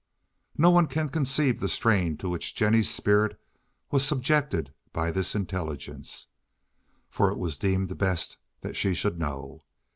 No one can conceive the strain to which Jennie's spirit was subjected by this intelligence, for it was deemed best that she should know.